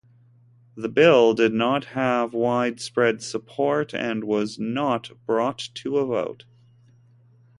The bill did not have widespread support and was not brought to a vote.